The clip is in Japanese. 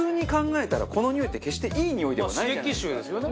刺激臭ですよね。